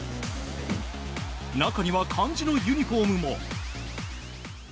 中には、漢字のユニホームも。